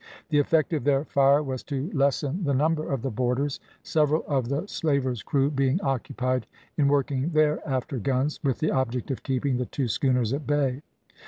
The effect of their fire was to lessen the number of the boarders, several of the slaver's crew being occupied in working their after guns, with the object of keeping the two schooners at bay.